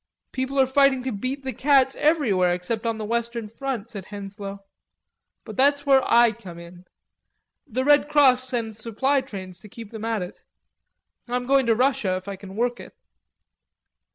"People are fighting to beat the cats everywhere except on the' western front," said Henslowe. "But that's where I come in. The Red Cross sends supply trains to keep them at it.... I'm going to Russia if I can work it."